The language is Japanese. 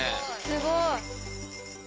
すごい！